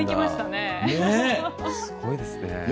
すごいですね。